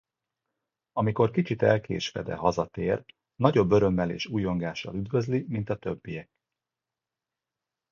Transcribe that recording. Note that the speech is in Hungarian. Amikor kicsit elkésve, de hazatér, nagyobb örömmel és ujjongással üdvözli, mint a többiek.